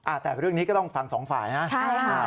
แต่เรื่องนี้ก็ต้องฟังสองฝ่ายนะใช่ค่ะ